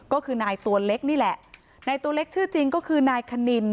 ก็คือนายตัวเล็กนี่แหละนายตัวเล็กชื่อจริงก็คือนายคณิน